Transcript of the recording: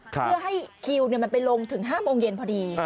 เพื่อให้คิวมันไปลงถึง๕โมงเย็นพอดี